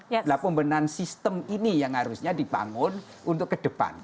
dan kemudian ada peranan sistem ini yang harusnya dibangun untuk ke depan